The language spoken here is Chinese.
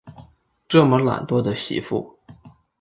这么懒惰的媳妇